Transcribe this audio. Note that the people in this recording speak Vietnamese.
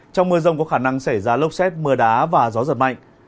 trong mưa rông có khả năng xảy ra lốc xét mưa đá và gió giật mạnh